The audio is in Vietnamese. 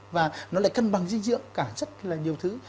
và nó lại cân bằng dinh dưỡng cả rất là nhiều thứ